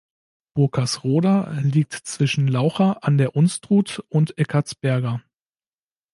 Burkersroda liegt zwischen Laucha an der Unstrut und Eckartsberga.